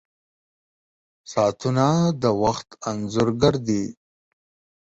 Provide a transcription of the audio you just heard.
• ساعتونه د وخت انځور ګر دي.